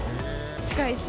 近いし。